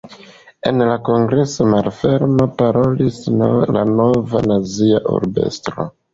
En la kongres-malfermo parolis la nova, nazia urb-estro.